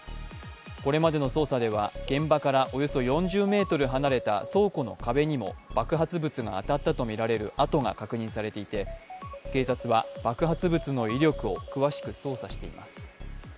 これまでの捜査では現場からおよそ４０ｍ離れた倉庫の壁にも爆発物が当たったとみられる跡が確認されていて警察は爆発物の威力を詳しく捜査しています。